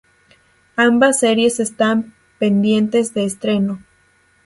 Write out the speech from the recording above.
Ambas series están pendientes de estreno.